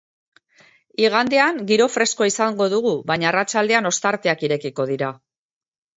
Igandean giro freskoa izango dugu baina arratsaldean ostarteak irekiko dira.